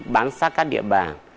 bán xác các địa bàn